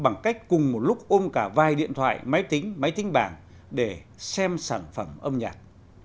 bằng cách cùng một lúc ôm cả vài điện thoại máy tính máy tính bảng để xem sản phẩm âm nhạc